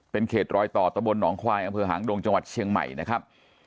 เป็นเขตรอยต่อตะบลหนองควายอำเภอหางดงจังหวัดเชียงใหม่นะครับ